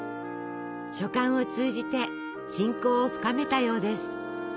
書簡を通じて親交を深めたようです。